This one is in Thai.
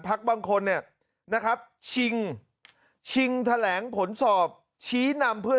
บางคนเนี่ยนะครับชิงชิงแถลงผลสอบชี้นำเพื่อ